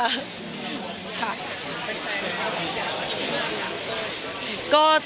เป็นใจไหมครับว่าที่จะอยากเปิด